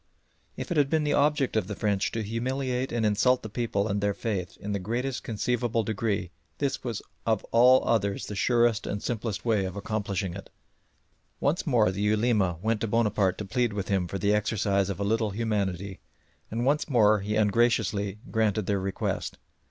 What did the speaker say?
If it had been the object of the French to humiliate and insult the people and their faith in the greatest conceivable degree, this was of all others the surest and simplest way of accomplishing it. Once more the Ulema went to Bonaparte to plead with him for the exercise of a little humanity, and once more he ungraciously granted their request.